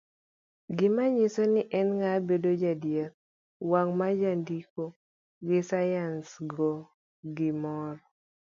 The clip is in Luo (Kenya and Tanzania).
gi manyiso ni en ng'a, bedo jaadiera, wang' marjandiko gi sayans to gimor